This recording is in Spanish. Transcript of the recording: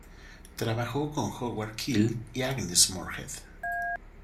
Trabajó con Howard Keel y Agnes Moorehead.